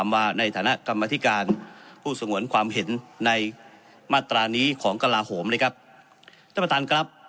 ท่านประธานผู้สงวนความเห็นในมาตรานี้ของกระลาโหมนะครับท่านประธานครับ